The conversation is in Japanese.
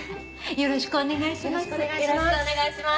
よろしくお願いします。